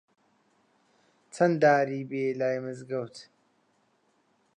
چەن داری بی لای مزگەوت